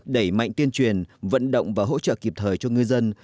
đẩy mạnh tuyên truyền vận động và hỗ trợ kịp thời cho ngư dân